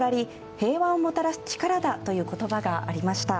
平和をもたらす力だという言葉がありました。